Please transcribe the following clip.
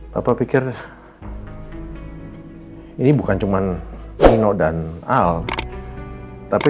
bapak pikir ini bukan cuman nino dan al tapi